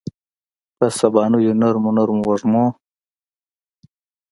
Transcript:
په سبانیو نرمو، نرمو وږمو